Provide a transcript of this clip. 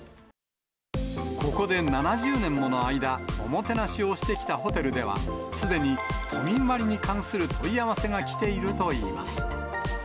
ここで７０年もの間、おもてなしをしてきたホテルでは、すでに都民割に関する問い合わせが来ているといいます。